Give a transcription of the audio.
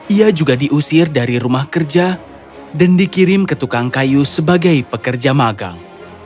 ia juga diusir dari rumah kerja dan dikirim ke tukang kayu sebagai pekerja magang